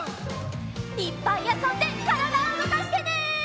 いっぱいあそんでからだをうごかしてね！